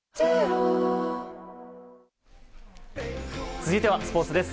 続いてはスポーツです。